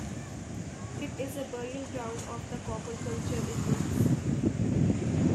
It is a burial ground of the Copper Culture Indians.